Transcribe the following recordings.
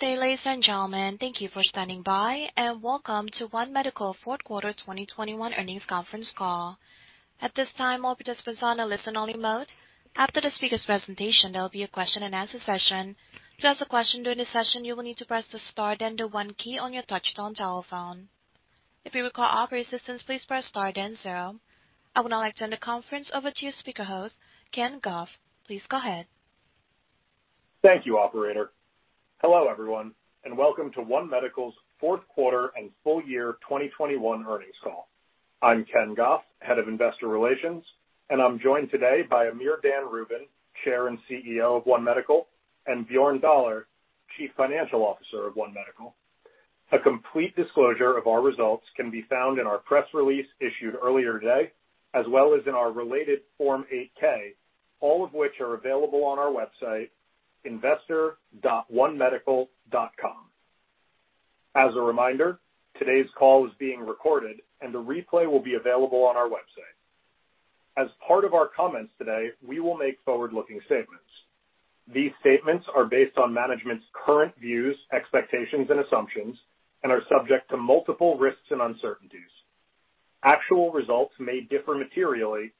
Good day, ladies and gentlemen. Thank you for standing by and welcome to One Medical fourth quarter 2021 earnings conference call. At this time, all participants are on a listen-only mode. After the speaker's presentation, there'll be a question-and-answer session. To ask a question during the session, you will need to press the star then the one key on your touchtone telephone. If you require operator assistance, please press star then zero. I would now like to turn the conference over to your speaker host, Ken Goff. Please go ahead. Thank you, operator. Hello, everyone and welcome to One Medical's fourth quarter and full year 2021 earnings call. I'm Ken Goff, head of investor relations and I'm joined today by Amir Dan Rubin, Chair and CEO of One Medical and Bjorn Thaler, Chief Financial Officer of One Medical. A complete disclosure of our results can be found in our press release issued earlier today, as well as in our related Form 8-K, all of which are available on our website, investor.onemedical.com. As a reminder, today's call is being recorded and a replay will be available on our website. As part of our comments today, we will make forward-looking statements. These statements are based on management's current views, expectations and assumptions and are subject to multiple risks and uncertainties. Actual results may differ materially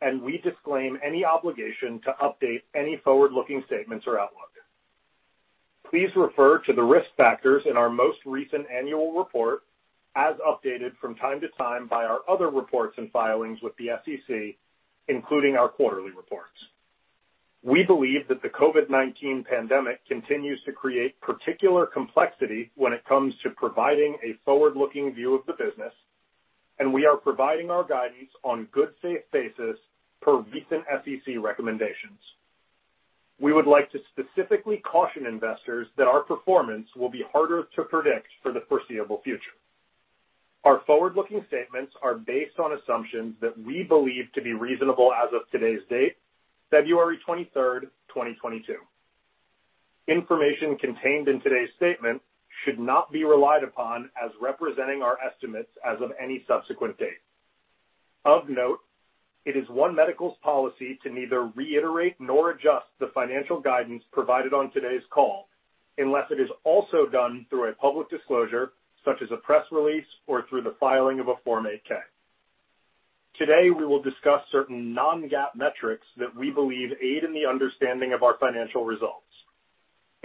and we disclaim any obligation to update any forward-looking statements or outlook. Please refer to the risk factors in our most recent annual report, as updated from time to time by our other reports and filings with the SEC, including our quarterly reports. We believe that the COVID-19 pandemic continues to create particular complexity when it comes to providing a forward-looking view of the business and we are providing our guidance on good faith basis per recent SEC recommendations. We would like to specifically caution investors that our performance will be harder to predict for the foreseeable future. Our forward-looking statements are based on assumptions that we believe to be reasonable as of today's date, February twenty-third, twenty twenty-two. Information contained in today's statement should not be relied upon as representing our estimates as of any subsequent date. Of note, it is One Medical's policy to neither reiterate nor adjust the financial guidance provided on today's call unless it is also done through a public disclosure, such as a press release or through the filing of a Form 8-K. Today, we will discuss certain non-GAAP metrics that we believe aid in the understanding of our financial results.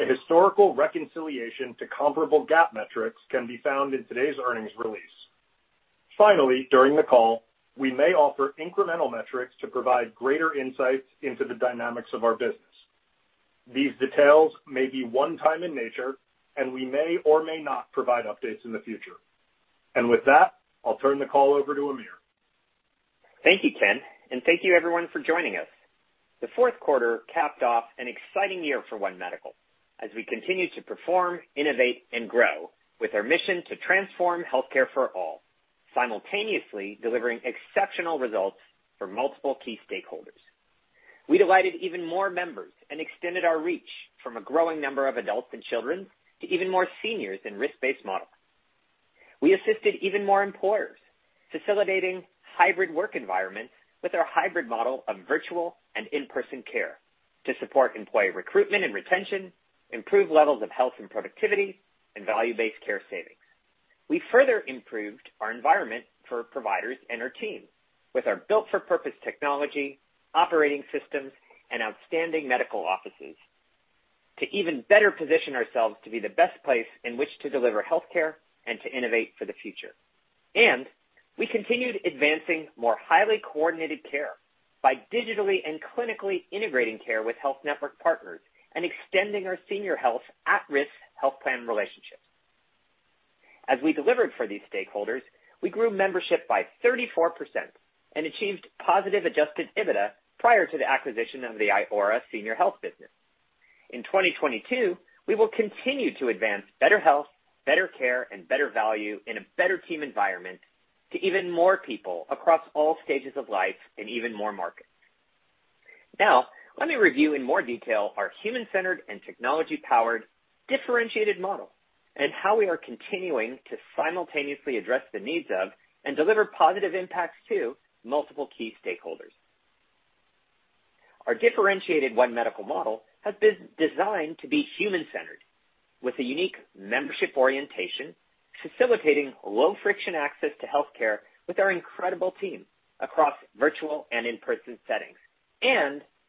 A historical reconciliation to comparable GAAP metrics can be found in today's earnings release. Finally, during the call, we may offer incremental metrics to provide greater insights into the dynamics of our business. These details may be one time in nature and we may or may not provide updates in the future. With that, I'll turn the call over to Amir. Thank you, Ken and thank you everyone for joining us. The fourth quarter capped off an exciting year for One Medical as we continued to perform, innovate and grow with our mission to transform healthcare for all, simultaneously delivering exceptional results for multiple key stakeholders. We delighted even more members and extended our reach from a growing number of adults and children to even more seniors in risk-based models. We assisted even more employers, facilitating hybrid work environments with our hybrid model of virtual and in-person care to support employee recruitment and retention, improve levels of health and productivity and value-based care savings. We further improved our environment for providers and our team with our built-for-purpose technology, operating systems and outstanding medical offices to even better position ourselves to be the best place in which to deliver healthcare and to innovate for the future. We continued advancing more highly coordinated care by digitally and clinically integrating care with health network partners and extending our senior health at-risk health plan relationships. As we delivered for these stakeholders, we grew membership by 34% and achieved positive adjusted EBITDA prior to the acquisition of the Iora Health business. In 2022, we will continue to advance better health, better care and better value in a better team environment to even more people across all stages of life in even more markets. Now, let me review in more detail our human-centered and technology-powered differentiated model and how we are continuing to simultaneously address the needs of and deliver positive impacts to multiple key stakeholders. Our differentiated One Medical model has been designed to be human-centered with a unique membership orientation, facilitating low-friction access to healthcare with our incredible team across virtual and in-person settings.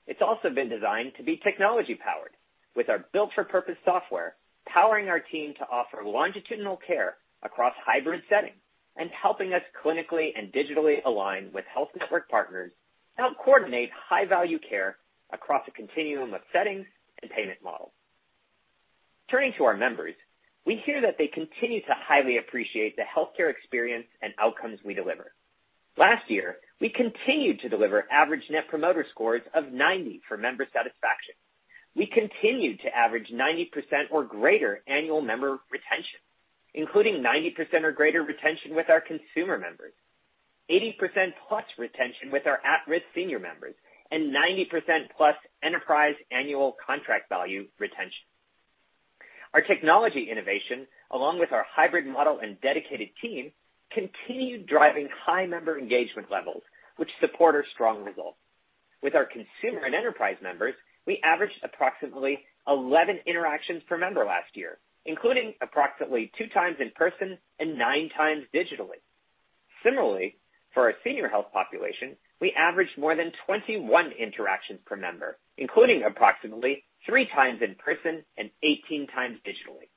It's also been designed to be technology-powered with our built-for-purpose software, powering our team to offer longitudinal care across hybrid settings and helping us clinically and digitally align with health network partners to help coordinate high-value care across a continuum of settings and payment models. Turning to our members, we hear that they continue to highly appreciate the healthcare experience and outcomes we deliver. Last year, we continued to deliver average net promoter scores of 90 for member satisfaction. We continued to average 90% or greater annual member retention, including 90% or greater retention with our consumer members, 80% plus retention with our at-risk senior members and 90% plus enterprise annual contract value retention. Our technology innovation, along with our hybrid model and dedicated team, continued driving high member engagement levels, which support our strong results. With our consumer and enterprise members, we averaged approximately 11 interactions per member last year, including approximately 2 times in person and 9 times digitally. Similarly, for our senior health population, we averaged more than 21 interactions per member, including approximately 3 times in person and 18 times digitally.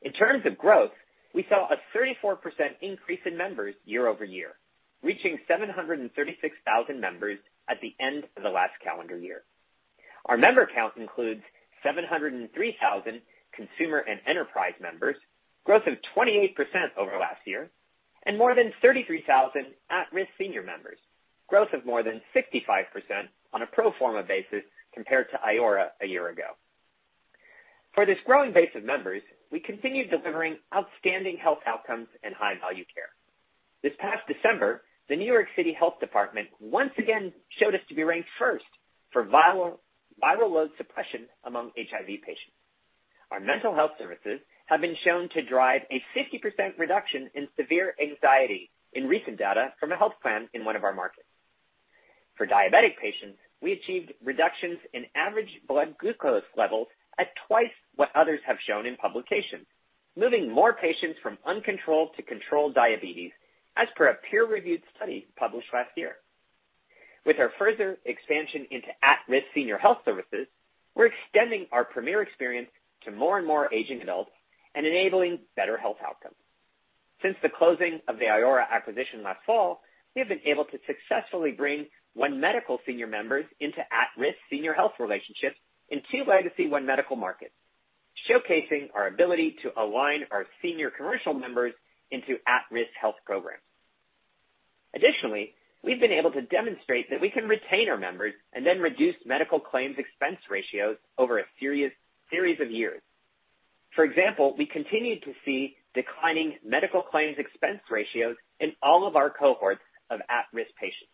In terms of growth, we saw a 34% increase in members year-over-year, reaching 736,000 members at the end of the last calendar year. Our member count includes 703,000 consumer and enterprise members, growth of 28% over last year and more than 33,000 at-risk senior members, growth of more than 65% on a pro forma basis compared to Iora a year ago. For this growing base of members, we continued delivering outstanding health outcomes and high-value care. This past December, the New York City Health Department once again showed us to be ranked first for viral load suppression among HIV patients. Our mental health services have been shown to drive a 50% reduction in severe anxiety in recent data from a health plan in one of our markets. For diabetic patients, we achieved reductions in average blood glucose levels at twice what others have shown in publications, moving more patients from uncontrolled to controlled diabetes, as per a peer-reviewed study published last year. With our further expansion into at-risk senior health services, we're extending our premier experience to more and more aging adults and enabling better health outcomes. Since the closing of the Iora acquisition last fall, we have been able to successfully bring One Medical senior members into at-risk senior health relationships in 2 legacy One Medical markets, showcasing our ability to align our senior commercial members into at-risk health programs. Additionally, we've been able to demonstrate that we can retain our members and then reduce medical claims expense ratios over a series of years. For example, we continued to see declining medical claims expense ratios in all of our cohorts of at-risk patients,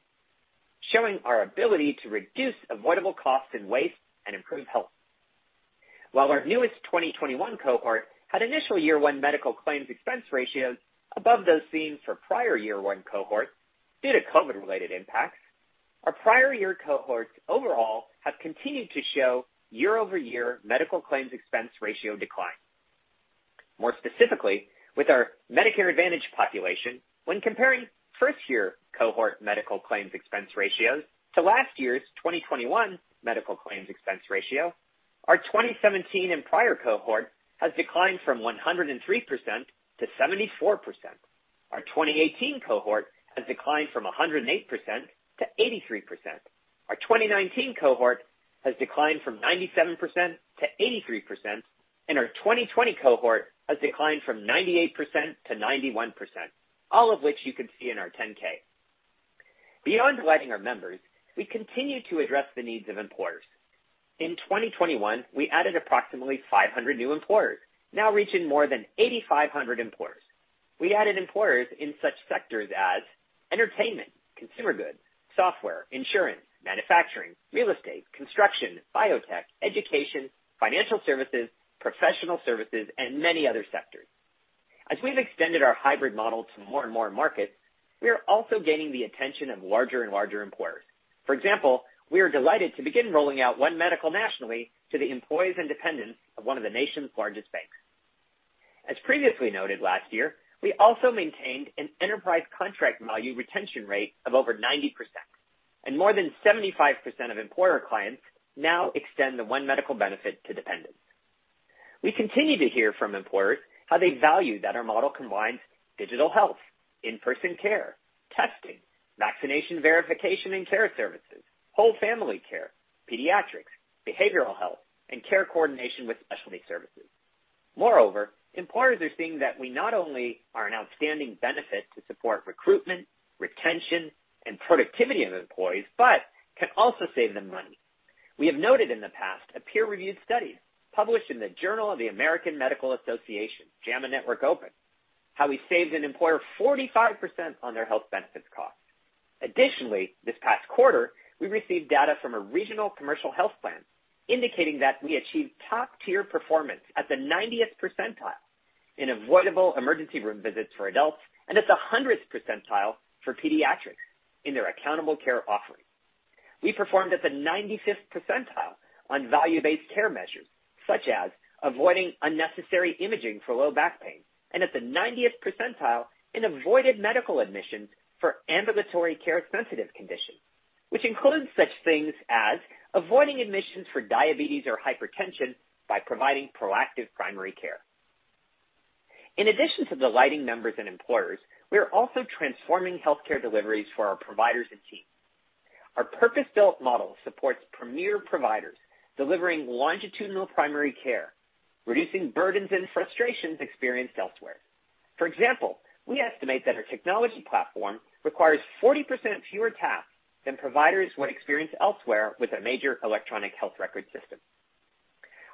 showing our ability to reduce avoidable costs and waste and improve health. While our newest 2021 cohort had initial year one medical claims expense ratios above those seen for prior year one cohorts due to COVID-related impacts, our prior year cohorts overall have continued to show year-over-year medical claims expense ratio decline. More specifically, with our Medicare Advantage population, when comparing first-year cohort medical claims expense ratios to last year's 2021 medical claims expense ratio, our 2017 and prior cohort has declined from 103% to 74%. Our 2018 cohort has declined from 108% to 83%. Our 2019 cohort has declined from 97% to 83%. Our 2020 cohort has declined from 98% to 91%, all of which you can see in our 10-K. Beyond delighting our members, we continue to address the needs of employers. In 2021, we added approximately 500 new employers, now reaching more than 8,500 employers. We added employers in such sectors as entertainment, consumer goods, software, insurance, manufacturing, real estate, construction, biotech, education, financial services, professional services and many other sectors. As we've extended our hybrid model to more and more markets, we are also gaining the attention of larger and larger employers. For example, we are delighted to begin rolling out One Medical nationally to the employees and dependents of one of the nation's largest banks. As previously noted last year, we also maintained an enterprise contract value retention rate of over 90% and more than 75% of employer clients now extend the One Medical benefit to dependents. We continue to hear from employers how they value that our model combines digital health, in-person care, testing, vaccination verification and care services, whole family care, pediatrics, behavioral health and care coordination with specialty services. Moreover, employers are seeing that we not only are an outstanding benefit to support recruitment, retention and productivity of employees but can also save them money. We have noted in the past a peer-reviewed study published in the Journal of the American Medical Association, JAMA Network Open, how we saved an employer 45% on their health benefits costs. Additionally, this past quarter, we received data from a regional commercial health plan indicating that we achieved top-tier performance at the 90th percentile in avoidable emergency room visits for adults and at the 100th percentile for pediatrics in their accountable care offerings. We performed at the 95th percentile on value-based care measures, such as avoiding unnecessary imaging for low back pain and at the 90th percentile in avoided medical admissions for ambulatory care sensitive conditions, which includes such things as avoiding admissions for diabetes or hypertension by providing proactive primary care. In addition to delighting members and employers, we are also transforming healthcare deliveries for our providers and teams. Our purpose-built model supports premier providers delivering longitudinal primary care, reducing burdens and frustrations experienced elsewhere. For example, we estimate that our technology platform requires 40% fewer tasks than providers would experience elsewhere with a major electronic health record system.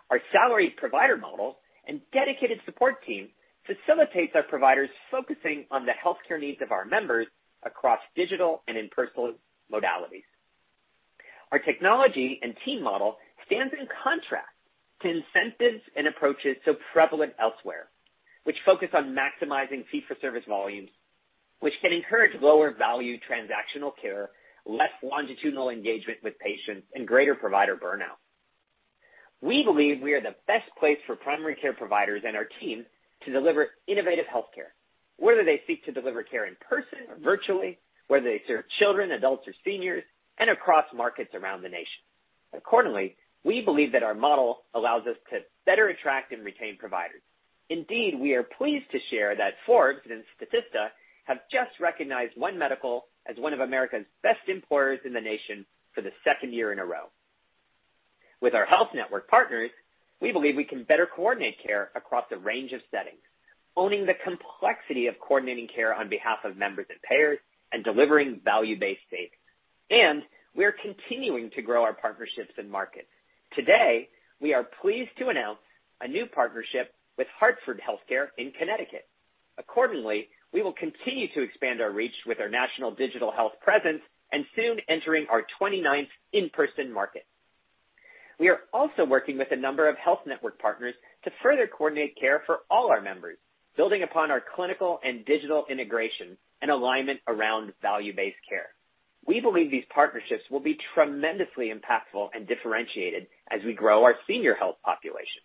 Our salaried provider model and dedicated support team facilitates our providers focusing on the healthcare needs of our members across digital and in-person modalities. Our technology and team model stands in contrast to incentives and approaches so prevalent elsewhere, which focus on maximizing fee for service volumes, which can encourage lower value transactional care, less longitudinal engagement with patients and greater provider burnout. We believe we are the best place for primary care providers and our team to deliver innovative health care, whether they seek to deliver care in person or virtually, whether they serve children, adults or seniors and across markets around the nation. Accordingly, we believe that our model allows us to better attract and retain providers. Indeed, we are pleased to share that Forbes and Statista have just recognized One Medical as one of America's best employers in the nation for the second year in a row. With our health network partners, we believe we can better coordinate care across a range of settings, owning the complexity of coordinating care on behalf of members and payers and delivering value-based savings. We are continuing to grow our partnerships and markets. Today, we are pleased to announce a new partnership with Hartford HealthCare in Connecticut. Accordingly, we will continue to expand our reach with our national digital health presence and soon entering our 29th in-person market. We are also working with a number of health network partners to further coordinate care for all our members, building upon our clinical and digital integration and alignment around value-based care. We believe these partnerships will be tremendously impactful and differentiated as we grow our senior health population.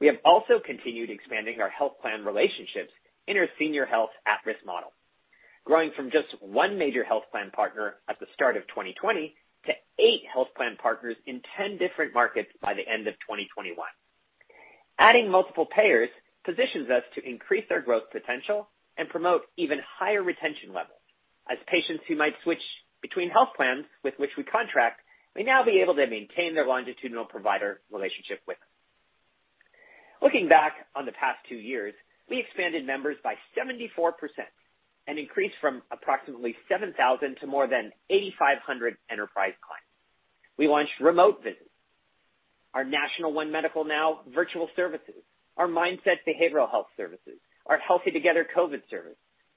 We have also continued expanding our health plan relationships in our senior health at-risk model, growing from just one major health plan partner at the start of 2020 to eight health plan partners in 10 different markets by the end of 2021. Adding multiple payers positions us to increase our growth potential and promote even higher retention levels, as patients who might switch between health plans with which we contract may now be able to maintain their longitudinal provider relationship with us. Looking back on the past two years, we expanded members by 74% and increased from approximately 7,000 to more than 8,500 enterprise clients. We launched remote visits. Our national One Medical Now virtual services, our Mindset behavioral health services, our Healthy Together COVID service,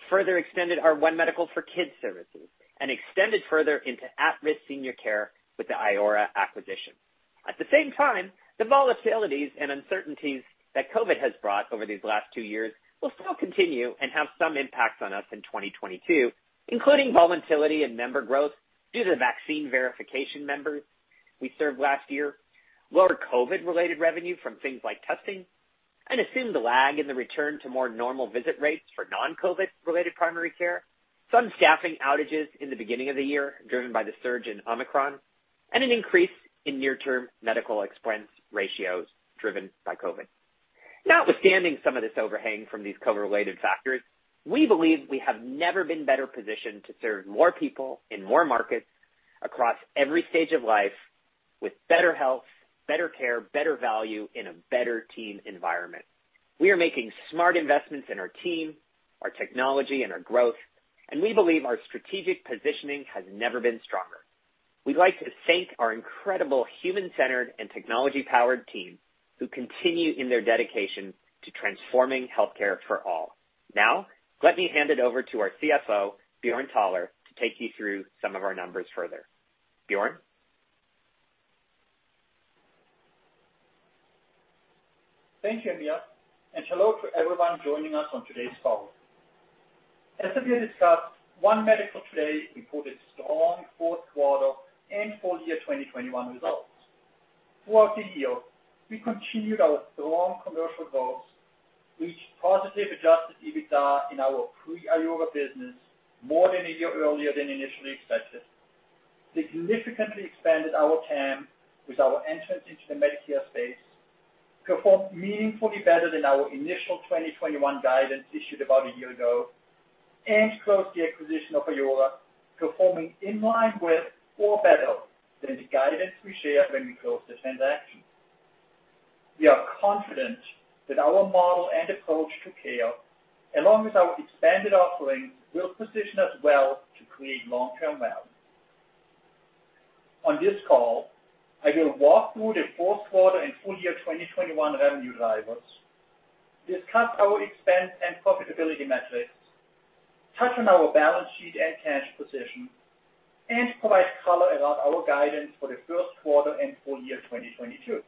further extended our One Medical for Kids services and extended further into at-risk senior care with the Iora acquisition. At the same time, the volatilities and uncertainties that COVID has brought over these last two years will still continue and have some impacts on us in 2022, including volatility in member growth due to the vaccine verification members we served last year, lower COVID-related revenue from things like testing and the lag in the return to more normal visit rates for non-COVID related primary care. Some staffing outages in the beginning of the year driven by the surge in Omicron and an increase in near-term medical expense ratios driven by COVID. Notwithstanding some of this overhang from these COVID-related factors, we believe we have never been better positioned to serve more people in more markets across every stage of life with better health, better care, better value, in a better team environment. We are making smart investments in our team, our technology and our growth and we believe our strategic positioning has never been stronger. We'd like to thank our incredible human-centered and technology-powered team, who continue in their dedication to transforming healthcare for all. Now, let me hand it over to our CFO, Bjorn Thaler, to take you through some of our numbers further. Bjorn? Thank you, Amir and hello to everyone joining us on today's call. As Amir discussed, One Medical today reported strong fourth quarter and full year 2021 results. Throughout the year, we continued our strong commercial growth, reached positive adjusted EBITDA in our pre-Iora business more than a year earlier than initially expected, significantly expanded our TAM with our entrance into the Medicare space, performed meaningfully better than our initial 2021 guidance issued about a year ago and closed the acquisition of Iora, performing in line with or better than the guidance we shared when we closed the transaction. We are confident that our model and approach to care, along with our expanded offerings, will position us well to create long-term value. On this call, I will walk through the fourth quarter and full year 2021 revenue drivers, discuss our expense and profitability metrics, touch on our balance sheet and cash position and provide color about our guidance for the first quarter and full year 2022.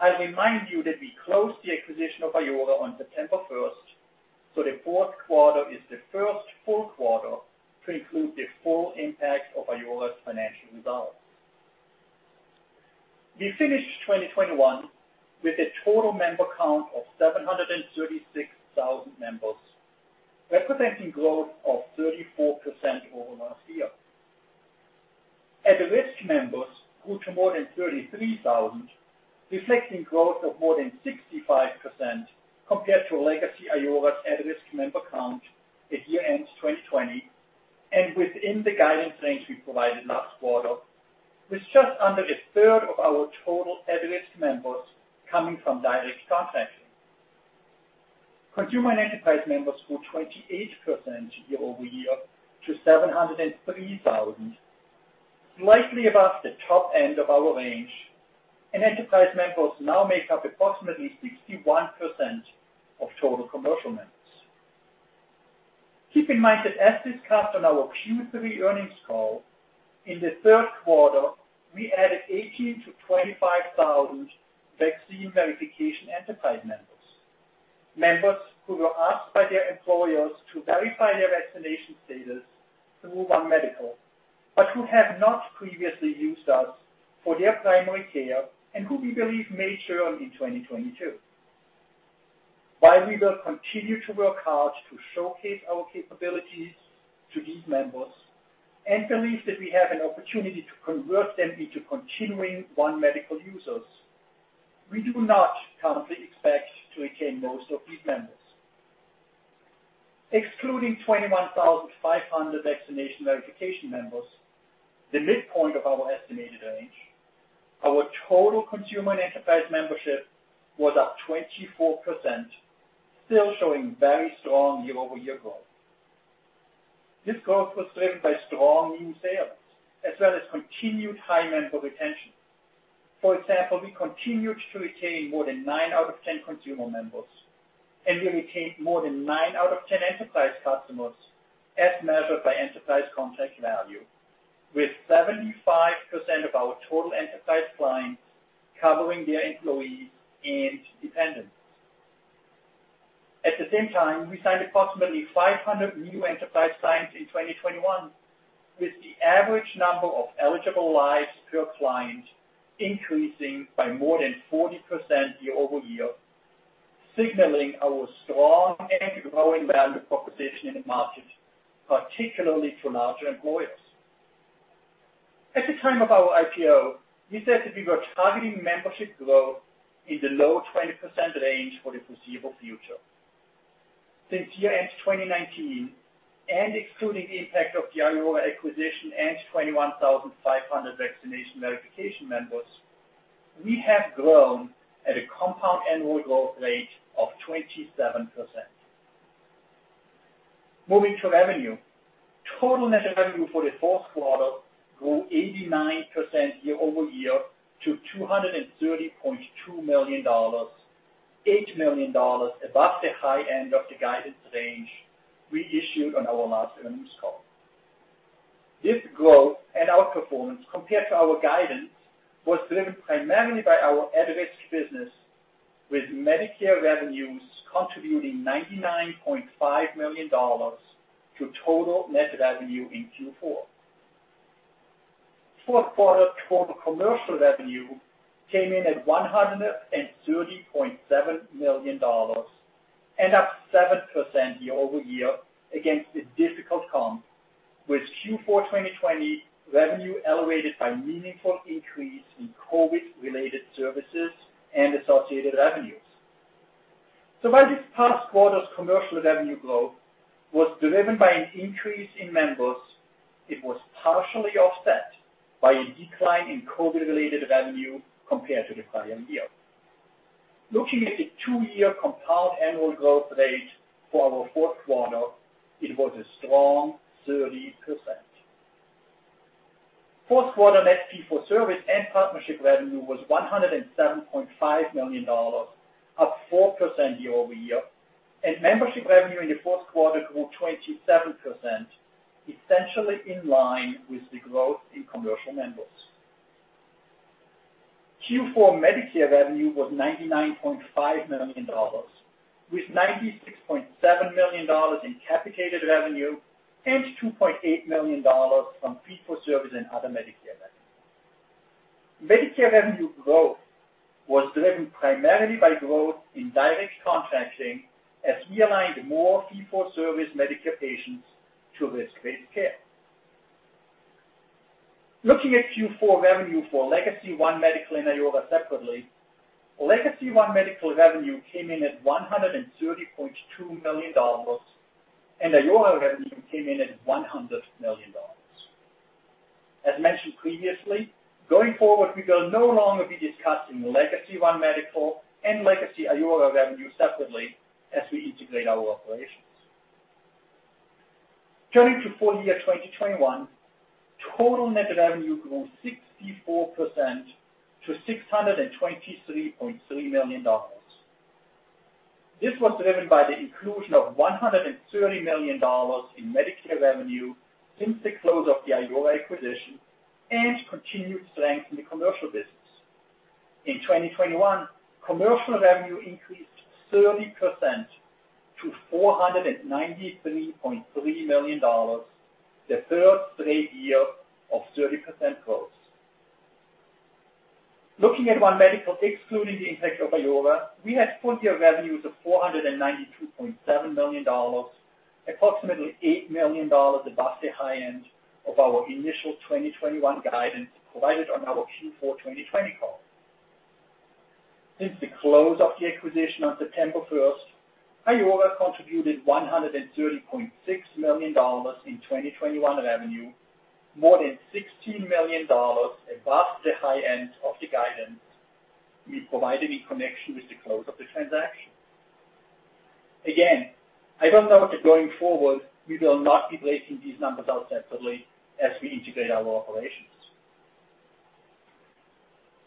I remind you that we closed the acquisition of Iora on September first, so the fourth quarter is the first full quarter to include the full impact of Iora's financial results. We finished 2021 with a total member count of 736,000 members, representing growth of 34% over last year. At-risk members grew to more than 33,000, reflecting growth of more than 65% compared to legacy Iora's at-risk member count at year-end 2020 and within the guidance range we provided last quarter, with just under a third of our total at-risk members coming from Direct Contracting. Consumer and enterprise members grew 28% year-over-year to 703,000, slightly above the top end of our range and enterprise members now make up approximately 61% of total commercial members. Keep in mind that as discussed on our Q3 earnings call, in the third quarter, we added 18,000-25,000 vaccine verification enterprise members who were asked by their employers to verify their vaccination status through One Medical but who have not previously used us for their primary care and who we believe may churn in 2022. While we will continue to work hard to showcase our capabilities to these members and believe that we have an opportunity to convert them into continuing One Medical users, we do not currently expect to retain most of these members. Excluding 21,500 vaccination verification members, the midpoint of our estimated range, our total consumer and enterprise membership was up 24%, still showing very strong year-over-year growth. This growth was driven by strong new sales as well as continued high member retention. For example, we continued to retain more than nine out of ten consumer members and we retained more than nine out of ten enterprise customers as measured by enterprise contract value, with 75% of our total enterprise clients covering their employees and dependents. At the same time, we signed approximately 500 new enterprise clients in 2021, with the average number of eligible lives per client increasing by more than 40% year-over-year, signaling our strong and growing value proposition in the market, particularly to larger employers. At the time of our IPO, we said that we were targeting membership growth in the low 20% range for the foreseeable future. Since year-end 2019 and excluding the impact of the Iora acquisition and 21,000 vaccination verification members, we have grown at a compound annual growth rate of 27%. Moving to revenue. Total net revenue for the fourth quarter grew 89% year-over-year to $230.2 million, $8 million above the high end of the guidance range we issued on our last earnings call. This growth and outperformance compared to our guidance was driven primarily by our at-risk business, with Medicare revenues contributing $99.5 million to total net revenue in Q4. Fourth quarter total commercial revenue came in at $130.7 million and up 7% year-over-year against a difficult comp, with Q4 2020 revenue elevated by meaningful increase in COVID-related services and associated revenues. While this past quarter's commercial revenue growth was driven by an increase in members, it was partially offset by a decline in COVID-related revenue compared to the prior year. Looking at the two-year compound annual growth rate for our fourth quarter, it was a strong 30%. Fourth quarter net fee for service and partnership revenue was $107.5 million, up 4% year-over-year. Membership revenue in the fourth quarter grew 27%, essentially in line with the growth in commercial members. Q4 Medicare revenue was $99.5 million, with $96.7 million in capitated revenue and $2.8 million from fee-for-service and other Medicare revenue. Medicare revenue growth was driven primarily by growth in Direct Contracting as we aligned more fee-for-service Medicare patients to risk-based care. Looking at Q4 revenue for legacy One Medical and Iora separately, legacy One Medical revenue came in at $130.2 million and Iora revenue came in at $100 million. As mentioned previously, going forward, we will no longer be discussing legacy One Medical and legacy Iora revenue separately as we integrate our operations. Turning to full year 2021, total net revenue grew 64% to $623.3 million. This was driven by the inclusion of $130 million in Medicare revenue since the close of the Iora acquisition and continued strength in the commercial business. In 2021, commercial revenue increased 30% to $493.3 million, the third straight year of 30% growth. Looking at One Medical, excluding the impact of Iora, we had full year revenues of $492.7 million, approximately $8 million above the high end of our initial 2021 guidance provided on our Q4 2020 call. Since the close of the acquisition on September first, Iora contributed $130.6 million in 2021 revenue, more than $16 million above the high end of the guidance we provided in connection with the close of the transaction. Again, I don't know that going forward we will not be breaking these numbers out separately as we integrate our operations.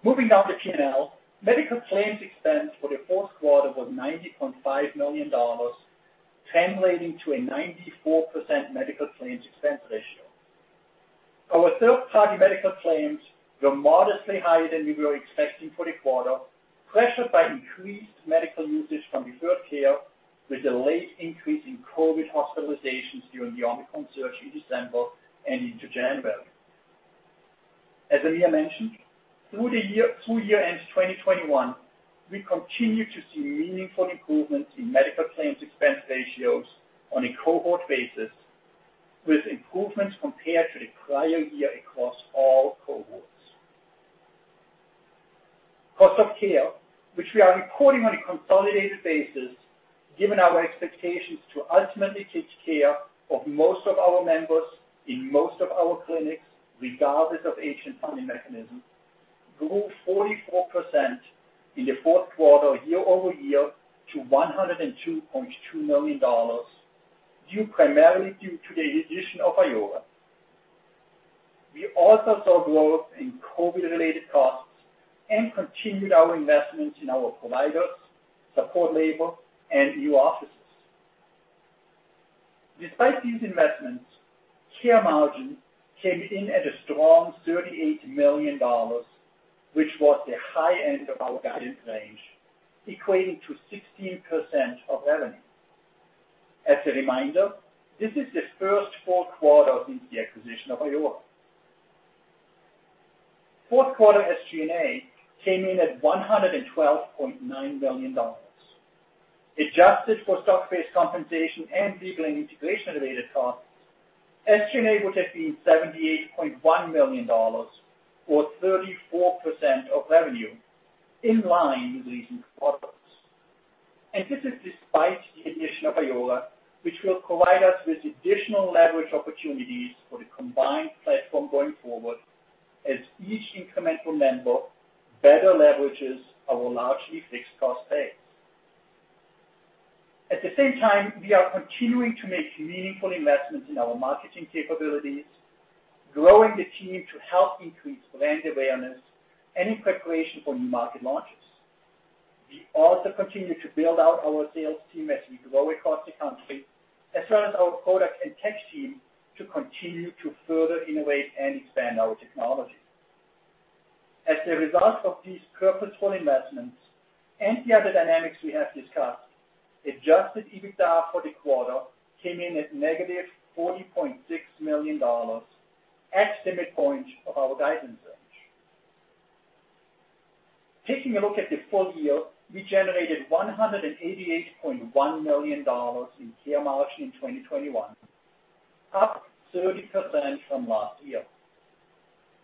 Moving on to P&L. Medical claims expense for the fourth quarter was $95.5 million, translating to a 94% medical claims expense ratio. Our third-party medical claims were modestly higher than we were expecting for the quarter, pressured by increased medical usage from the third tier, with a late increase in COVID hospitalizations during the Omicron surge in December and into January. As Amir mentioned, through year-end 2021, we continued to see meaningful improvements in medical claims expense ratios on a cohort basis, with improvements compared to the prior year across all cohorts. Cost of care, which we are reporting on a consolidated basis, given our expectations to ultimately take care of most of our members in most of our clinics, regardless of age and funding mechanism, grew 44% in the fourth quarter year-over-year to $102.2 million, due primarily to the addition of Iora. We also saw growth in COVID-related costs and continued our investments in our providers, support labor and new offices. Despite these investments, care margin came in at a strong $38 million, which was the high end of our guidance range, equating to 16% of revenue. As a reminder, this is the first full quarter since the acquisition of Iora. Fourth quarter SG&A came in at $112.9 million. Adjusted for stock-based compensation and legal and integration-related costs, SG&A would have been $78.1 million or 34% of revenue in line with recent quarters. This is despite the addition of Iora, which will provide us with additional leverage opportunities for the combined platform going forward as each incremental member better leverages our largely fixed cost base. At the same time, we are continuing to make meaningful investments in our marketing capabilities, growing the team to help increase brand awareness and in preparation for new market launches. We also continue to build out our sales team as we grow across the country, as well as our product and tech team to continue to further innovate and expand our technology. As a result of these purposeful investments and the other dynamics we have discussed, adjusted EBITDA for the quarter came in at negative $40.6 million at the midpoint of our guidance range. Taking a look at the full year, we generated $188.1 million in care margin in 2021, up 30% from last year.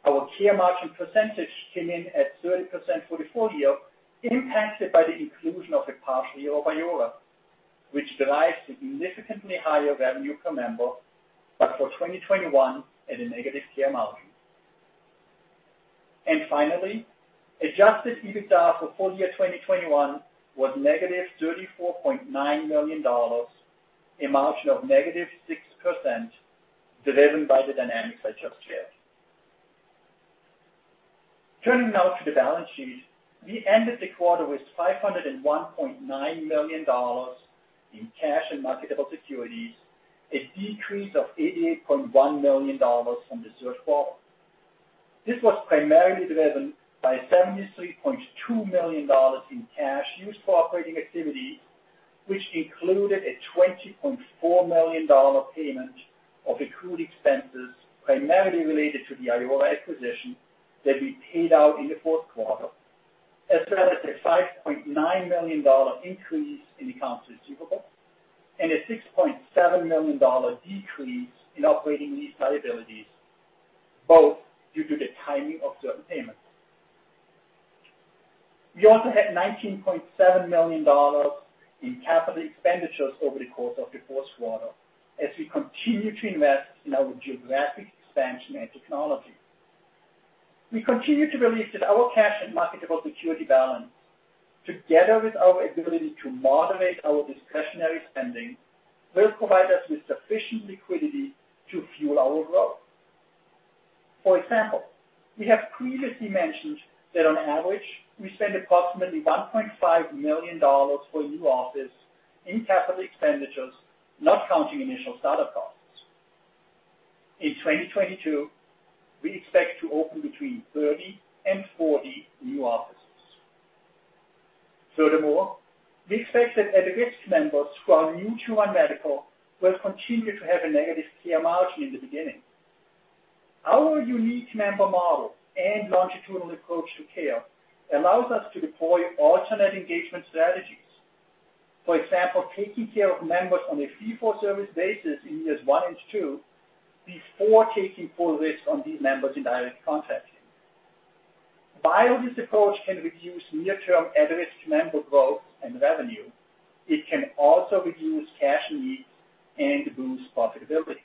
Our care margin percentage came in at 30% for the full year, impacted by the inclusion of the past year of Iora, which drives the significantly higher revenue per member but for 2021 at a negative care margin. Finally, adjusted EBITDA for full year 2021 was negative $34.9 million, a margin of negative 6%, driven by the dynamics I just shared. Turning now to the balance sheet. We ended the quarter with $501.9 million in cash and marketable securities, a decrease of $88.1 million from the third quarter. This was primarily driven by $73.2 million in cash used for operating activities, which included a $20.4 million payment of accrued expenses primarily related to the Iora acquisition that we paid out in the fourth quarter. As well as a $5.9 million increase in accounts receivable and a $6.7 million decrease in operating lease liabilities, both due to the timing of certain payments. We also had $19.7 million in capital expenditures over the course of the fourth quarter as we continue to invest in our geographic expansion and technology. We continue to believe that our cash and marketable security balance, together with our ability to moderate our discretionary spending, will provide us with sufficient liquidity to fuel our growth. For example, we have previously mentioned that on average, we spend approximately $1.5 million for a new office in capital expenditures, not counting initial start-up costs. In 2022, we expect to open between 30 and 40 new offices. Furthermore, we expect that at-risk members who are new to One Medical will continue to have a negative care margin in the beginning. Our unique member model and longitudinal approach to care allows us to deploy alternate engagement strategies. For example, taking care of members on a fee-for-service basis in years one and two before taking full risk on these members in Direct Contracting. While this approach can reduce near-term at-risk member growth and revenue, it can also reduce cash needs and boost profitability.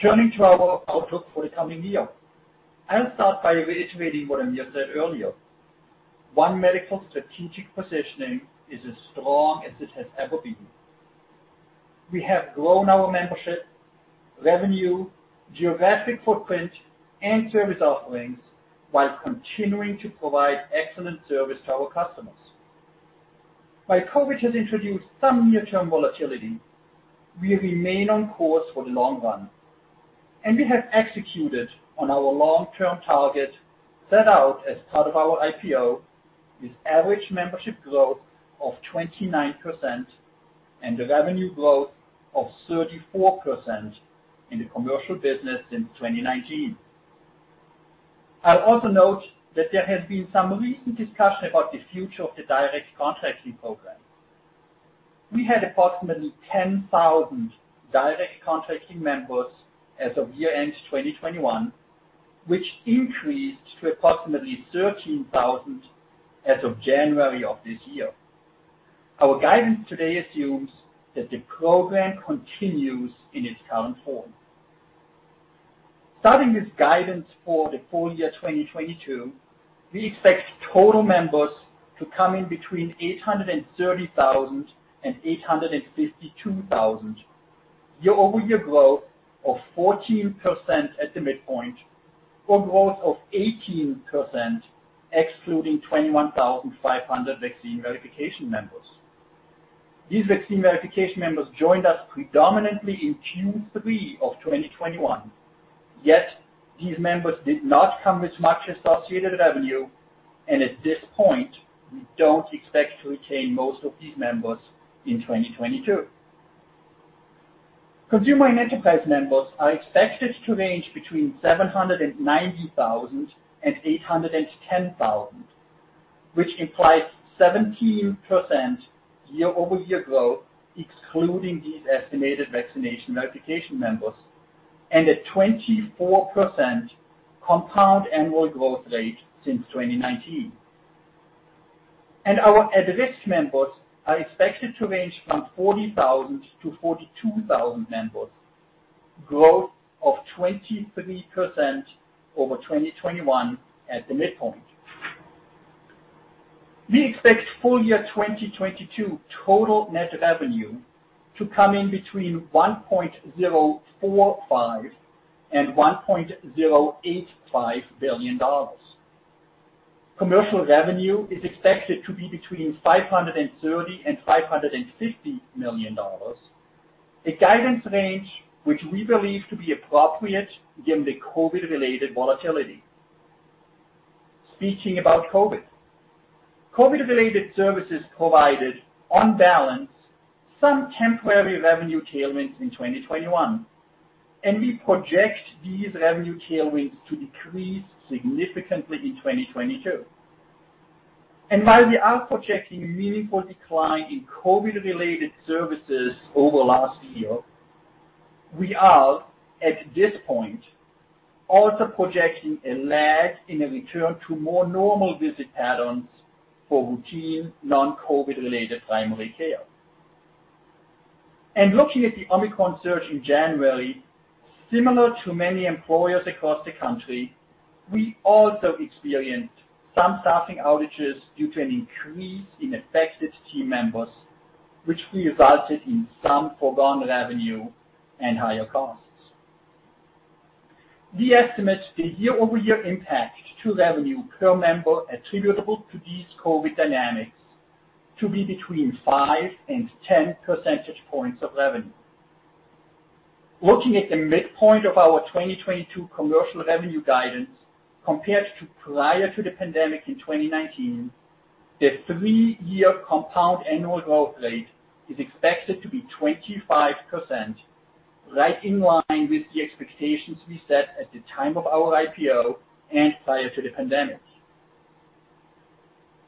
Turning to our outlook for the coming year, I'll start by reiterating what Amir said earlier. One Medical's strategic positioning is as strong as it has ever been. We have grown our membership, revenue, geographic footprint and service offerings while continuing to provide excellent service to our customers. While COVID has introduced some near-term volatility, we remain on course for the long run and we have executed on our long-term target set out as part of our IPO with average membership growth of 29% and a revenue growth of 34% in the commercial business in 2019. I'll also note that there has been some recent discussion about the future of the Direct Contracting program. We had approximately 10,000 Direct Contracting members as of year-end 2021, which increased to approximately 13,000 as of January of this year. Our guidance today assumes that the program continues in its current form. Starting with guidance for the full year 2022, we expect total members to come in between 830,000 and 852,000, year-over-year growth of 14% at the midpoint or growth of 18% excluding 21,500 vaccine verification members. These vaccine verification members joined us predominantly in Q3 of 2021, yet these members did not come with much associated revenue and at this point, we don't expect to retain most of these members in 2022. Consumer and enterprise members are expected to range between 790,000 and 810,000, which implies 17% year-over-year growth excluding these estimated vaccination verification members and a 24% compound annual growth rate since 2019. Our at-risk members are expected to range from 40,000 to 42,000 members, growth of 23% over 2021 at the midpoint. We expect full year 2022 total net revenue to come in between $1.045 billion and $1.085 billion. Commercial revenue is expected to be between $530 million and $550 million, a guidance range which we believe to be appropriate given the COVID-related volatility. Speaking about COVID. COVID-related services provided, on balance, some temporary revenue tailwinds in 2021 and we project these revenue tailwinds to decrease significantly in 2022. While we are projecting meaningful decline in COVID-related services over last year, we are, at this point, also projecting a lag in a return to more normal visit patterns for routine non-COVID-related primary care. Looking at the Omicron surge in January, similar to many employers across the country, we also experienced some staffing outages due to an increase in affected team members, which resulted in some foregone revenue and higher costs. We estimate the year-over-year impact to revenue per member attributable to these COVID dynamics to be between 5 and 10 percentage points of revenue. Looking at the midpoint of our 2022 commercial revenue guidance compared to prior to the pandemic in 2019, the three-year compound annual growth rate is expected to be 25%, right in line with the expectations we set at the time of our IPO and prior to the pandemic.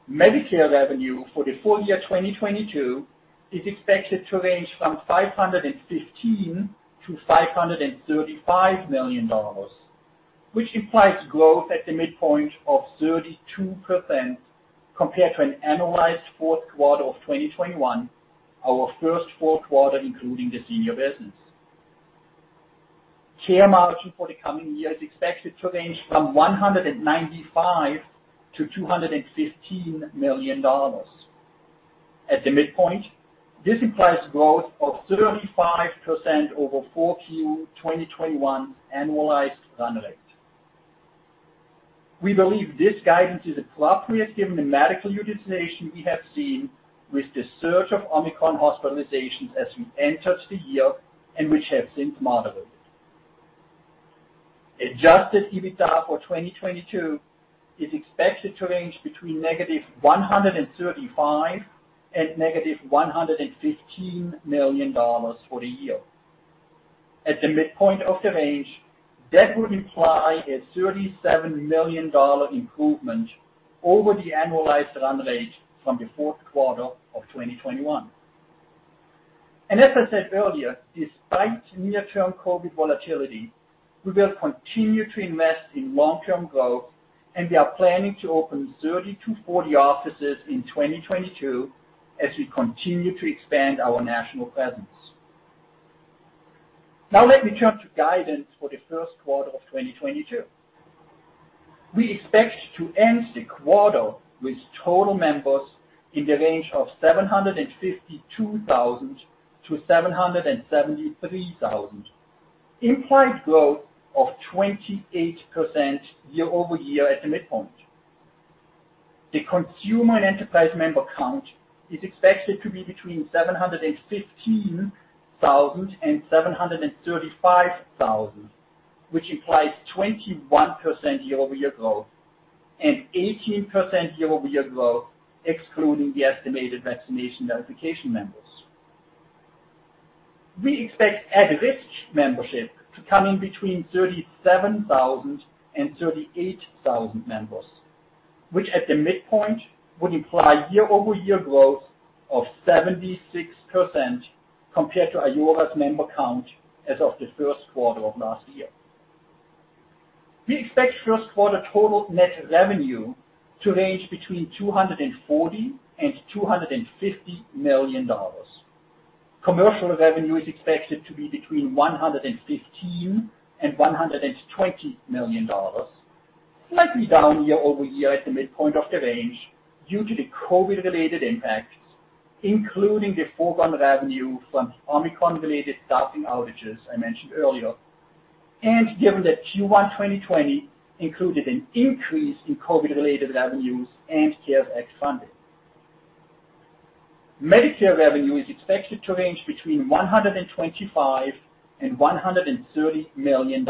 Medicare revenue for the full year 2022 is expected to range from $515 million-$535 million, which implies growth at the midpoint of 32% compared to an annualized fourth quarter of 2021, our first fourth quarter, including the senior business. Share margin for the coming year is expected to range from $195 million-$215 million. At the midpoint, this implies growth of 35% over 4Q 2021 annualized run rate. We believe this guidance is appropriate given the medical utilization we have seen with the surge of Omicron hospitalizations as we entered the year and which have since moderated. Adjusted EBITDA for 2022 is expected to range between -$135 million and -$115 million for the year. At the midpoint of the range, that would imply a $37 million improvement over the annualized run rate from the fourth quarter of 2021. As I said earlier, despite near-term COVID volatility, we will continue to invest in long-term growth and we are planning to open 30-40 offices in 2022 as we continue to expand our national presence. Now let me turn to guidance for the first quarter of 2022. We expect to end the quarter with total members in the range of 752,000-773,000, implied growth of 28% year-over-year at the midpoint. The consumer and enterprise member count is expected to be between 715,000 and 735,000, which implies 21% year-over-year growth and 18% year-over-year growth excluding the estimated vaccination verification members. We expect at-risk membership to come in between 37,000 and 38,000 members, which at the midpoint would imply year-over-year growth of 76% compared to Iora's member count as of the first quarter of last year. We expect first quarter total net revenue to range between $240 million and $250 million. Commercial revenue is expected to be between $115 million and $120 million, slightly down year-over-year at the midpoint of the range due to the COVID-related impacts, including the foregone revenue from the Omicron-related staffing outages I mentioned earlier and given that Q1 2020 included an increase in COVID-related revenues and CARES Act funding. Medicare revenue is expected to range between $125 million and $130 million,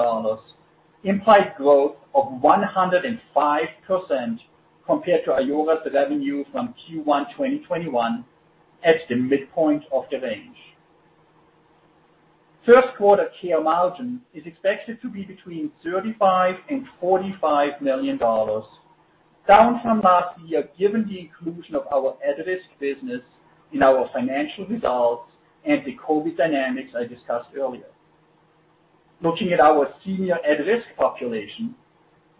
implied growth of 105% compared to Iora's revenue from Q1 2021 at the midpoint of the range. First quarter care margin is expected to be between $35 million and $45 million, down from last year, given the inclusion of our at-risk business in our financial results and the COVID dynamics I discussed earlier. Looking at our senior At-Risk population,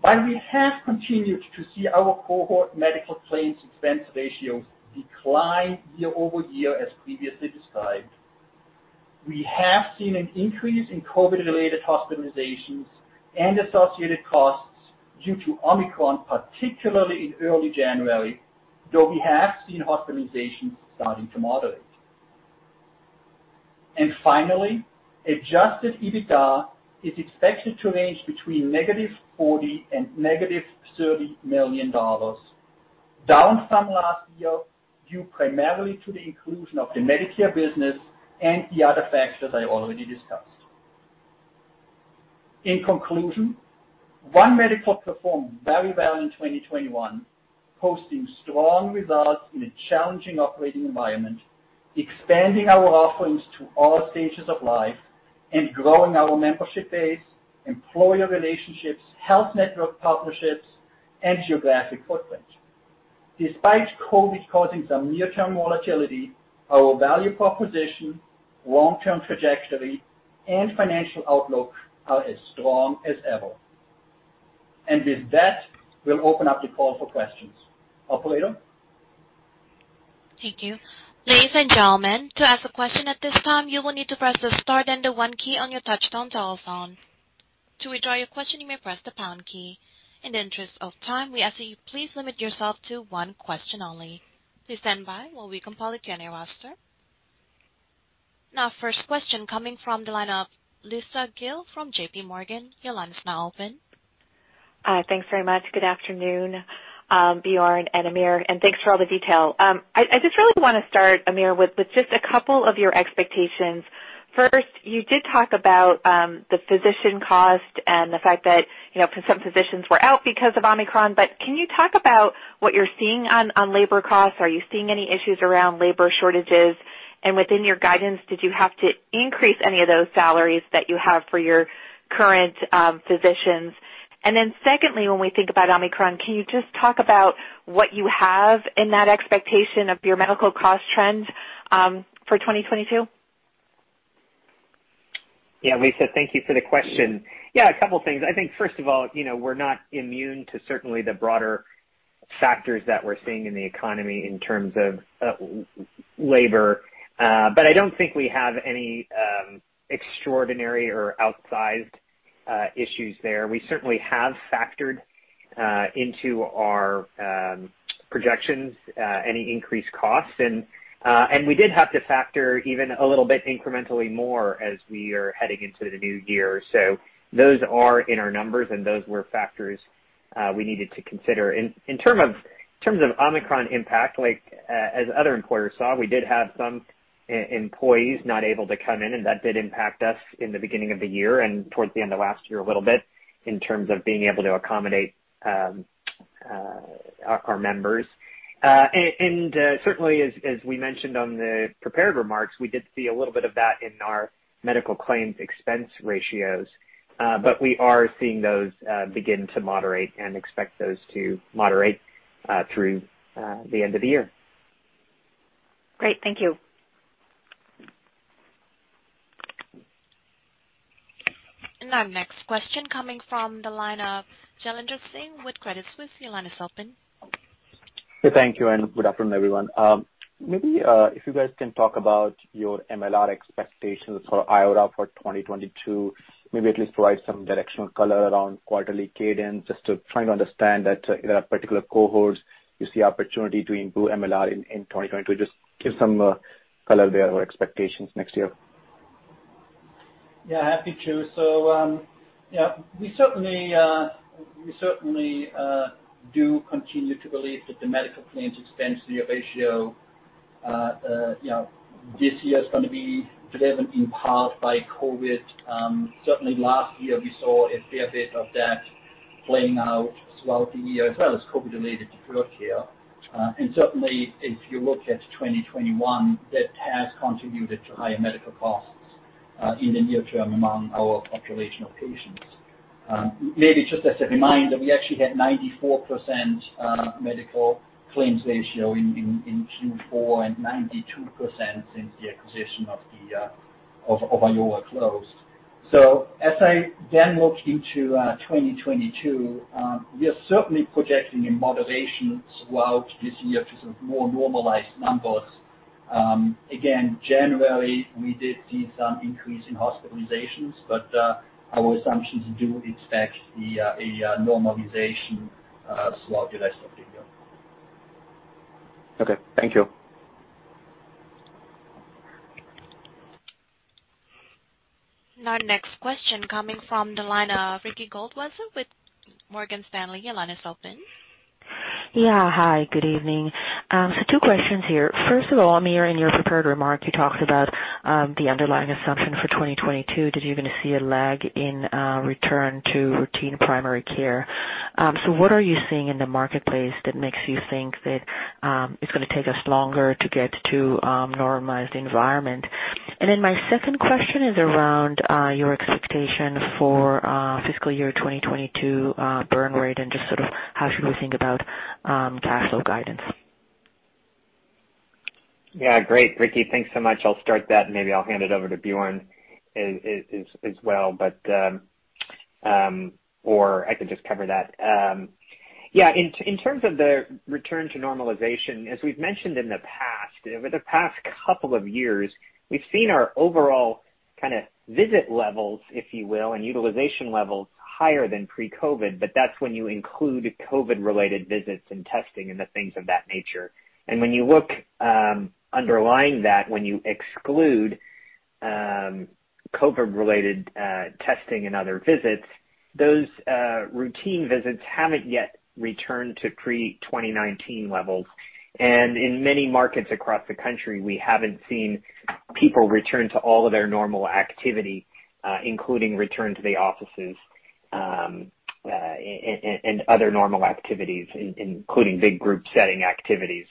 while we have continued to see our cohort medical claims expense ratios decline year-over-year, as previously described, we have seen an increase in COVID-related hospitalizations and associated costs due to Omicron, particularly in early January, though we have seen hospitalizations starting to moderate. Finally, adjusted EBITDA is expected to range between -$40 million and -$30 million, down from last year, due primarily to the inclusion of the Medicare business and the other factors I already discussed. In conclusion, One Medical performed very well in 2021, posting strong results in a challenging operating environment, expanding our offerings to all stages of life and growing our membership base, employer relationships, health network partnerships and geographic footprint. Despite COVID causing some near-term volatility, our value proposition, long-term trajectory and financial outlook are as strong as ever. With that, we'll open up the call for questions. Operator? Thank you. Ladies and gentlemen, to ask a question at this time, you will need to press the star then the one key on your touchtone telephone. To withdraw your question, you may press the pound key. In the interest of time, we ask that you please limit yourself to one question only. Please stand by while we compile the Q&A roster. Now, first question coming from the line of Lisa Gill from JPMorgan. Your line is now open. Thanks very much. Good afternoon, Bjorn and Amir and thanks for all the detail. I just really wanna start, Amir, with just a couple of your expectations. First, you did talk about the physician cost and the fact that, you know, some physicians were out because of Omicron but can you talk about what you're seeing on labor costs? Are you seeing any issues around labor shortages? And within your guidance, did you have to increase any of those salaries that you have for your current physicians? And then secondly, when we think about Omicron, can you just talk about what you have in that expectation of your medical cost trends for 2022? Yeah. Lisa, thank you for the question. Yeah, a couple things. I think first of all, you know, we're not immune to certainly the broader factors that we're seeing in the economy in terms of labor but I don't think we have any extraordinary or outsized issues there. We certainly have factored into our projections any increased costs. We did have to factor even a little bit incrementally more as we are heading into the new year. Those are in our numbers and those were factors we needed to consider. In terms of Omicron impact, like, as other employers saw, we did have some employees not able to come in and that did impact us in the beginning of the year and towards the end of last year a little bit in terms of being able to accommodate our members. Certainly as we mentioned on the prepared remarks, we did see a little bit of that in our medical claims expense ratios. We are seeing those begin to moderate and expect those to moderate through the end of the year. Great. Thank you. Our next question coming from the line of Jailendra Singh with Credit Suisse. Your line is open. Hey, thank you and good afternoon, everyone. Maybe if you guys can talk about your MLR expectations for Iora for 2022, maybe at least provide some directional color around quarterly cadence, just to try and understand that, you know, particular cohorts you see opportunity to improve MLR in 2020. Just give some color there or expectations next year. Yeah, happy to. We certainly do continue to believe that the medical claims expense ratio, you know, this year is gonna be driven in part by COVID. Certainly last year we saw a fair bit of that playing out throughout the year, as well as COVID-related acute care. Certainly if you look at 2021, that has contributed to higher medical costs in the near term among our population of patients. Maybe just as a reminder, we actually had 94% medical claims ratio in Q4 and 92% since the acquisition of Iora closed. As I then look into 2022, we are certainly projecting a moderation throughout this year to sort of more normalized numbers. Again, January, we did see some increase in hospitalizations but our assumptions do expect a normalization throughout the rest of the year. Okay. Thank you. Our next question coming from the line of Ricky Goldwasser with Morgan Stanley. Your line is open. Yeah. Hi, good evening. Two questions here. First of all, Amir, in your prepared remarks, you talked about the underlying assumption for 2022 that you're gonna see a lag in return to routine primary care. What are you seeing in the marketplace that makes you think that it's gonna take us longer to get to normalized environment? My second question is around your expectation for fiscal year 2022 burn rate and just sort of how should we think about cash flow guidance? Yeah, great, Ricky. Thanks so much. I'll start that and maybe I'll hand it over to Bjorn as well but or I can just cover that. Yeah, in terms of the return to normalization, as we've mentioned in the past, over the past couple of years, we've seen our overall kind of visit levels, if you will and utilization levels higher than pre-COVID but that's when you include COVID-related visits and testing and the things of that nature. When you look underlying that, when you exclude COVID-related testing and other visits, those routine visits haven't yet returned to pre-2019 levels. In many markets across the country, we haven't seen people return to all of their normal activity, including return to the offices and other normal activities, including big group setting activities.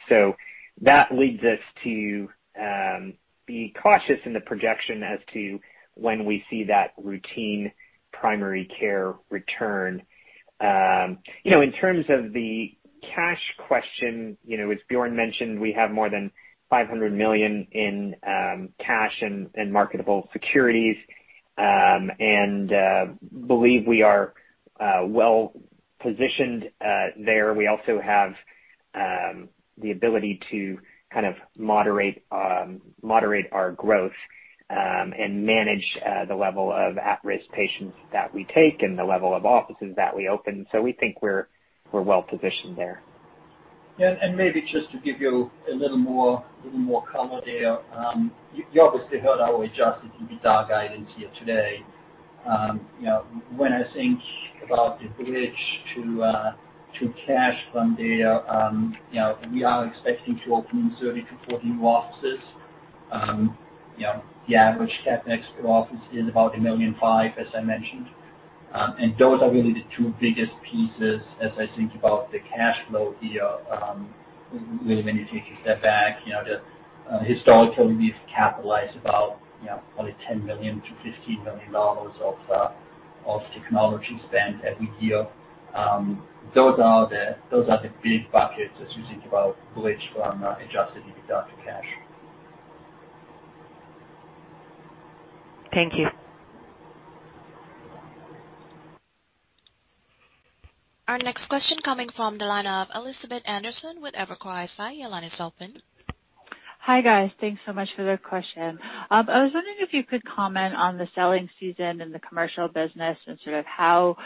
That leads us to be cautious in the projection as to when we see that routine primary care return. You know, in terms of the cash question, you know, as Bjorn mentioned, we have more than $500 million in cash and marketable securities and believe we are well positioned there. We also have the ability to kind of moderate our growth and manage the level of at-risk patients that we take and the level of offices that we open. We think we're well positioned there. Yeah, maybe just to give you a little more color there, you obviously heard our adjusted EBITDA guidance here today. You know, when I think about the bridge to cash from there, you know, we are expecting to open 30-40 new offices. You know, the average CapEx per office is about $1.5 million, as I mentioned. Those are really the two biggest pieces as I think about the cash flow here. Really when you take a step back, you know, historically, we've capitalized about, you know, probably $10 million-$15 million of technology spend every year. Those are the big buckets as you think about bridge from adjusted EBITDA to cash. Thank you. Our next question coming from the line of Elizabeth Anderson with Evercore ISI. Your line is open. Hi, guys. Thanks so much for the question. I was wondering if you could comment on the selling season in the commercial business and sort of how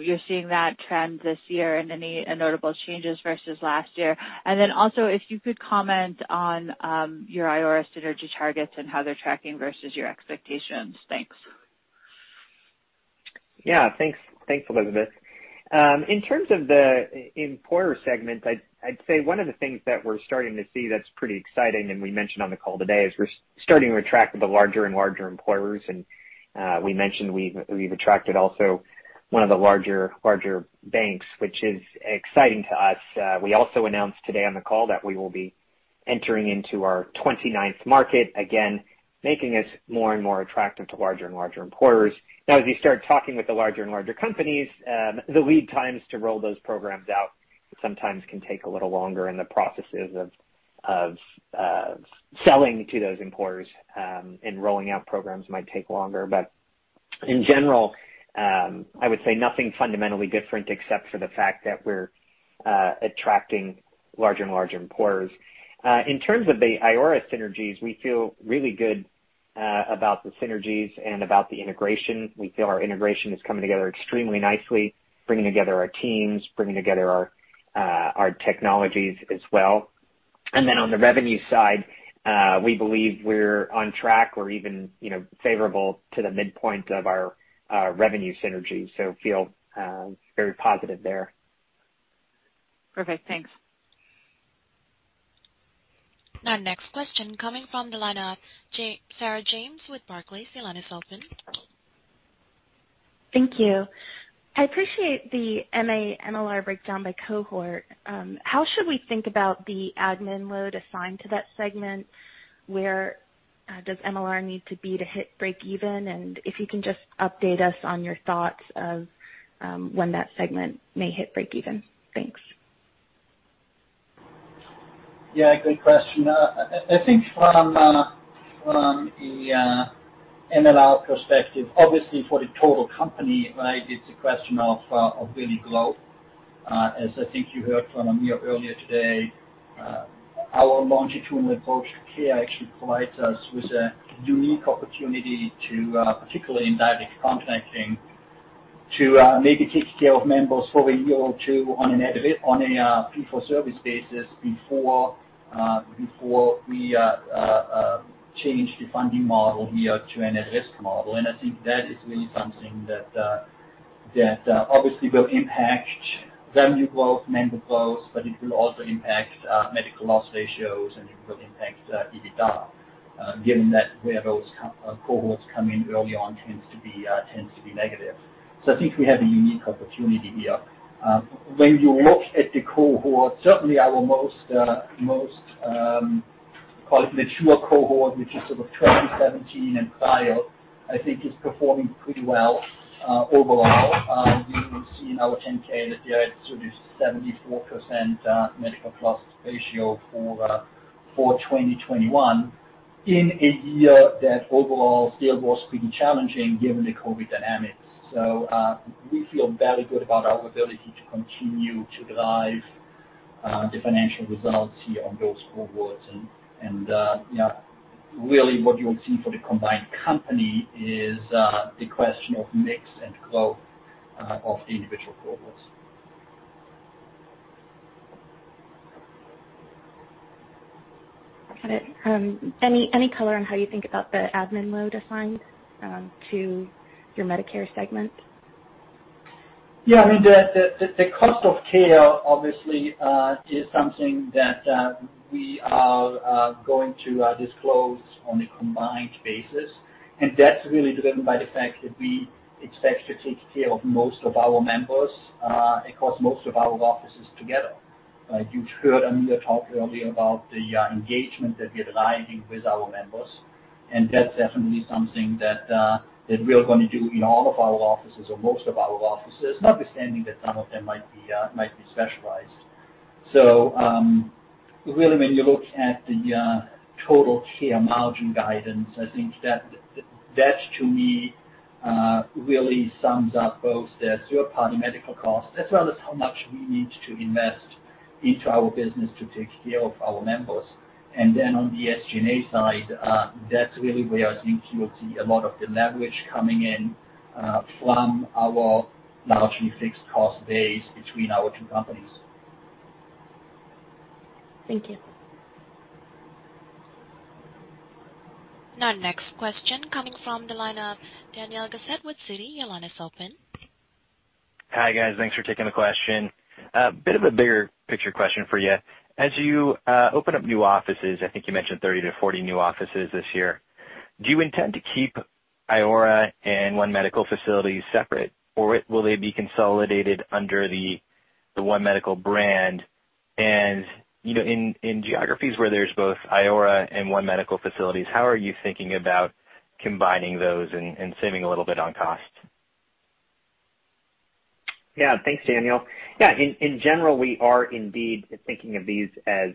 you're seeing that trend this year and any notable changes versus last year. If you could comment on your Iora synergy targets and how they're tracking versus your expectations. Thanks. Yeah, thanks. Thanks, Elizabeth. In terms of the employer segment, I'd say one of the things that we're starting to see that's pretty exciting and we mentioned on the call today, is we're starting to attract the larger and larger employers. We mentioned we've attracted also one of the larger banks, which is exciting to us. We also announced today on the call that we will be entering into our 29th market, again, making us more and more attractive to larger and larger employers. Now, as you start talking with the larger and larger companies, the lead times to roll those programs out sometimes can take a little longer in the processes of selling to those employers and rolling out programs might take longer. In general, I would say nothing fundamentally different except for the fact that we're attracting larger and larger employers. In terms of the Iora synergies, we feel really good about the synergies and about the integration. We feel our integration is coming together extremely nicely, bringing together our teams, bringing together our technologies as well. On the revenue side, we believe we're on track or even, you know, favorable to the midpoint of our revenue synergies, so we feel very positive there. Perfect. Thanks. Now next question coming from the line of Sarah James with Barclays. Your line is open. Thank you. I appreciate the MA-MLR breakdown by cohort. How should we think about the admin load assigned to that segment? Where does MLR need to be to hit breakeven? If you can just update us on your thoughts of when that segment may hit breakeven? Thanks. Yeah, good question. I think from the MLR perspective, obviously for the total company, right, it's a question of real growth. As I think you heard from Amir earlier today, our longitudinal approach to care actually provides us with a unique opportunity to, particularly in Direct Contracting, to maybe take care of members for a year or two on a fee for service basis before we change the funding model here to an at-risk model. I think that is really something that obviously will impact revenue growth, member growth but it will also impact medical loss ratios and it will impact EBITDA, given that where those cohorts come in early on tends to be negative. I think we have a unique opportunity here. When you look at the cohort, certainly our most call it mature cohort, which is sort of 2017 and prior, I think is performing pretty well overall. You will see in our 10-K that we had sort of 74% medical loss ratio for 2021 in a year that overall still was pretty challenging given the COVID dynamics. We feel very good about our ability to continue to drive the financial results here on those cohorts. Yeah, really what you'll see for the combined company is the question of mix and growth of the individual cohorts. Got it. Any color on how you think about the admin load assigned to your Medicare segment? Yeah, I mean, the cost of care obviously is something that we are going to disclose on a combined basis and that's really driven by the fact that we expect to take care of most of our members across most of our offices together. You heard Amir talk earlier about the engagement that we are driving with our members and that's definitely something that we are gonna do in all of our offices or most of our offices, notwithstanding that some of them might be specialized. Really when you look at the total care margin guidance, I think that to me really sums up both the third party medical costs as well as how much we need to invest into our business to take care of our members. On the SG&A side, that's really where I think you'll see a lot of the leverage coming in, from our largely fixed cost base between our two companies. Thank you. Now next question coming from the line of Daniel Grosslight with Citi. Your line is open. Hi, guys. Thanks for taking the question. Bit of a bigger picture question for you. As you open up new offices, I think you mentioned 30-40 new offices this year, do you intend to keep Iora and One Medical facilities separate or will they be consolidated under the One Medical brand? You know, in geographies where there's both Iora and One Medical facilities, how are you thinking about combining those and saving a little bit on cost? Yeah. Thanks, Daniel. Yeah. In general, we are indeed thinking of these as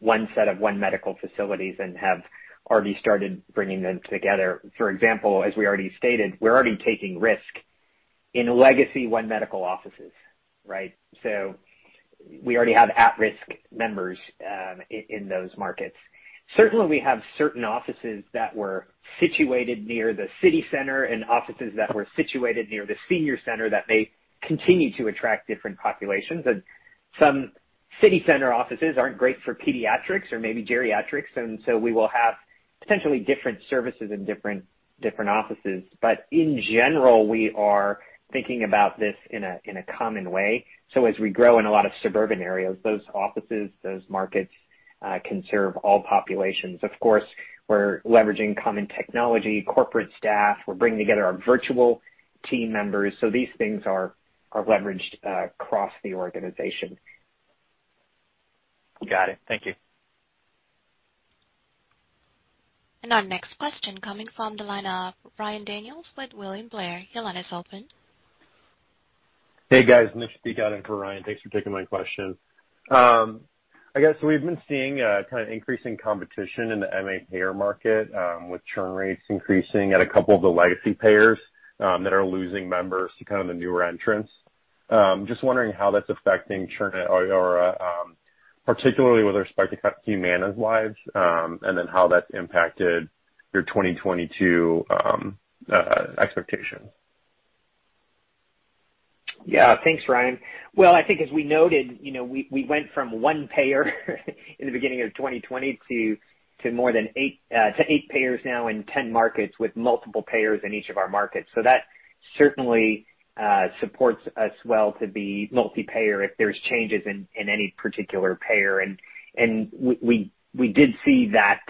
one set of One Medical facilities and have already started bringing them together. For example, as we already stated, we're already taking risk in legacy One Medical offices, right? We already have at-risk members in those markets. Certainly, we have certain offices that were situated near the city center and offices that were situated near the senior center that may continue to attract different populations. Some city center offices aren't great for pediatrics or maybe geriatrics and we will have potentially different services in different offices. In general, we are thinking about this in a common way. As we grow in a lot of suburban areas, those offices, those markets can serve all populations. Of course, we're leveraging common technology, corporate staff. We're bringing together our virtual team members. These things are leveraged across the organization. Got it. Thank you. Our next question coming from the line of Ryan Daniels with William Blair. Your line is open. Hey, guys. Mitch speaking out in for Ryan. Thanks for taking my question. I guess we've been seeing kind of increasing competition in the MA payer market, with churn rates increasing at a couple of the legacy payers that are losing members to kind of the newer entrants. Just wondering how that's affecting churn or particularly with respect to Humana's lives and then how that's impacted your 2022 expectation. Yeah. Thanks, Ryan. Well, I think as we noted, you know, we went from one payer in the beginning of 2020 to eight payers now in 10 markets with multiple payers in each of our markets. That certainly supports us well to be multi-payer if there's changes in any particular payer. We did see that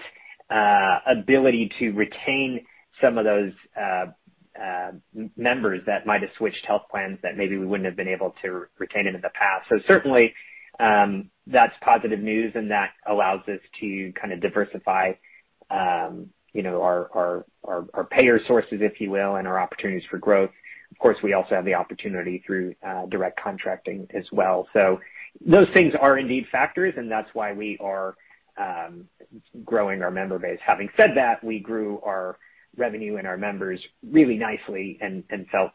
ability to retain some of those members that might've switched health plans that maybe we wouldn't have been able to retain in the past. Certainly, that's positive news and that allows us to kind of diversify, you know, our payer sources, if you will and our opportunities for growth. Of course, we also have the opportunity through Direct Contracting as well. Those things are indeed factors and that's why we are growing our member base. Having said that, we grew our revenue and our members really nicely and felt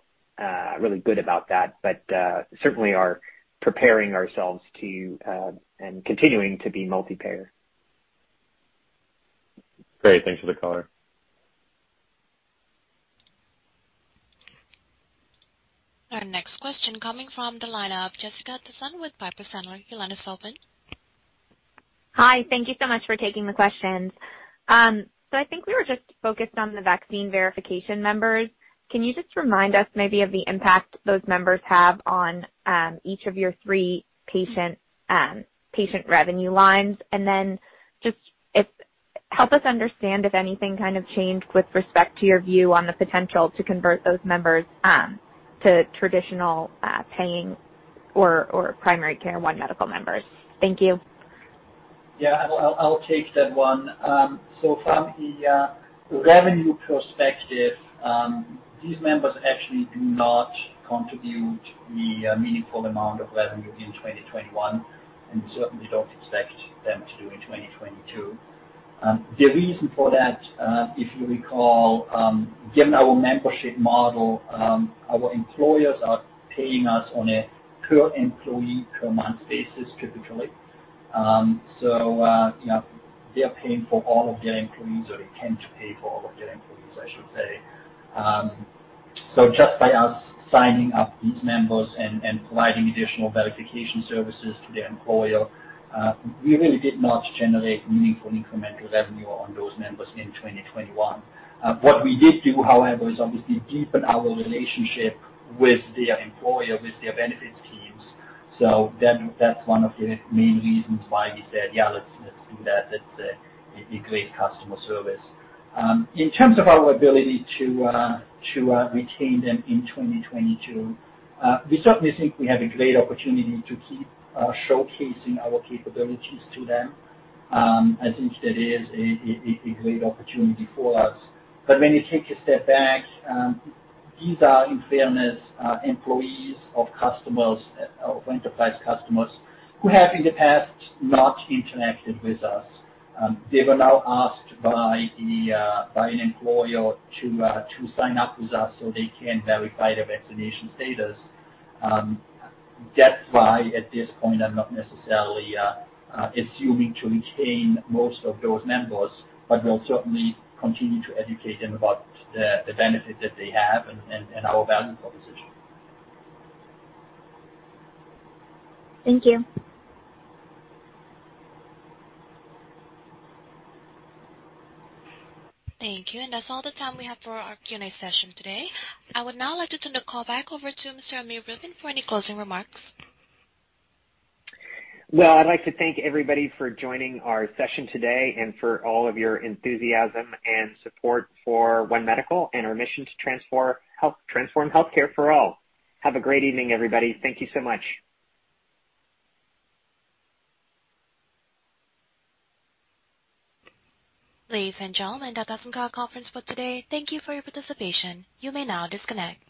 really good about that but certainly are preparing ourselves to and continuing to be multi-payer. Great. Thanks for the color. Our next question coming from the line of Jessica Tassan with Piper Sandler. Your line is open. Hi. Thank you so much for taking the questions. I think we were just focused on the vaccine verification members. Can you just remind us maybe of the impact those members have on each of your three patient revenue lines? Help us understand if anything kind of changed with respect to your view on the potential to convert those members to traditional paying or primary care One Medical members. Thank you. I'll take that one. So from the revenue perspective, these members actually do not contribute a meaningful amount of revenue in 2021 and we certainly don't expect them to do so in 2022. The reason for that, if you recall, given our membership model, our employers are paying us on a per employee per month basis typically. You know, they're paying for all of their employees or intend to pay for all of their employees, I should say. So just by us signing up these members and providing additional verification services to their employer, we really did not generate meaningful incremental revenue on those members in 2021. What we did do, however, is obviously deepen our relationship with their employer, with their benefits teams. That's one of the main reasons why we said, "Yeah, let's do that. That's, it'd be great customer service." In terms of our ability to retain them in 2022, we certainly think we have a great opportunity to keep showcasing our capabilities to them. I think that is a great opportunity for us. When you take a step back, these are, in fairness, employees of customers of enterprise customers who have in the past not interacted with us. They were now asked by an employer to sign up with us so they can verify their vaccination status. That's why at this point I'm not necessarily assuming to retain most of those members but we'll certainly continue to educate them about the benefit that they have and our value proposition. Thank you. Thank you. That's all the time we have for our Q&A session today. I would now like to turn the call back over to Mr. Amir Rubin for any closing remarks. Well, I'd like to thank everybody for joining our session today and for all of your enthusiasm and support for One Medical and our mission to transform healthcare for all. Have a great evening, everybody. Thank you so much. Ladies and gentlemen, that does end our conference for today. Thank you for your participation. You may now disconnect.